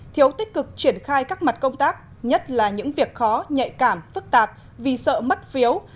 thiếu tích cực triển khai các mặt công tác nhất là những việc khó nhạy cảm phức tạp vì sợ mất phiếu